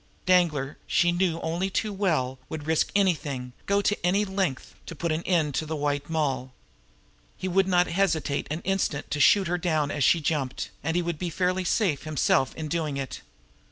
Danglar, she knew only too well, would risk anything, go to any length, to put an end to the White Moll. He would not hesitate an instant to shoot her down as she jumped and he would be fairly safe himself in doing it.